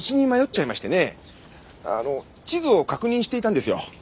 あの地図を確認していたんですよ。